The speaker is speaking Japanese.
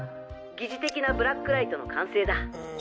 疑似的なブラックライトの完成だ。